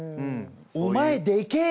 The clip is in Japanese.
「お前でけえ！」